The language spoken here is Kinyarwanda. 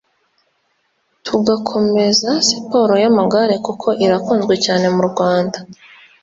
tugakomeza siporo y’amagare kuko irakunzwe cyane mu Rwanda